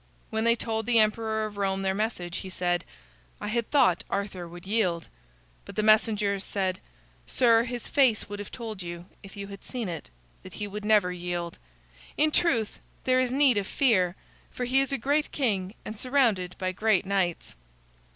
When they told the emperor of Rome their message, he said: "I had thought Arthur would yield." But the messengers said: "Sir, his face would have told you, if you had seen it, that he would never yield. In truth, there is need of fear, for he is a great king and surrounded by great knights."